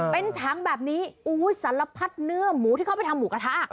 เป็นถังแบบนี้สารพัดเนื้อหมูที่เข้าไปทำหมูกระทะ